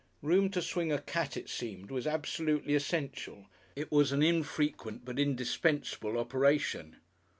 Room to swing a cat it seemed was absolutely essential. It was an infrequent but indispensable operation.